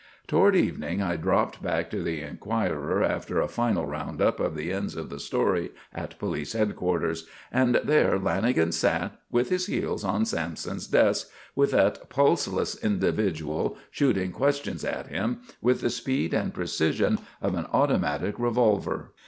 Toward evening I dropped back to the Enquirer after a final round up of the ends of the story at police headquarters, and there Lanagan sat with his heels on Sampson's desk, with that pulseless individual shooting questions at him with the speed and precision of an automatic revolver.